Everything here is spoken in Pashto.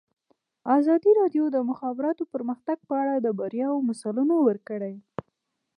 ازادي راډیو د د مخابراتو پرمختګ په اړه د بریاوو مثالونه ورکړي.